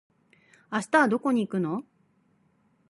明日はどこに行くの？